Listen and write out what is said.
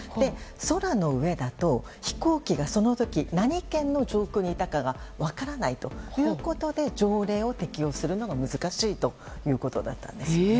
空の上だと、飛行機がその時何県の上空にいたかが分からないということで条例を適用するのが難しいということだったんです。